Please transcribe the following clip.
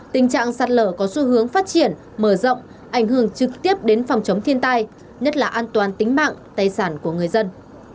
tình trạng sạt lở có xu hướng phát triển mở rộng ảnh hưởng trực tiếp đến phòng chống thiên tai nhất là an toàn tính mạng tài sản của người dân